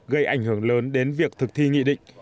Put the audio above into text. gây ảnh hưởng lớn đến việc thực thi nghị định